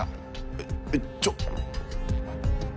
えっちょっ